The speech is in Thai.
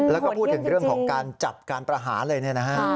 แล้วก็พูดถึงเรื่องของการจับการประหารเลยเนี่ยนะฮะ